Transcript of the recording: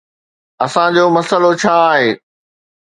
اسان جو مسئلو ڇا آهي؟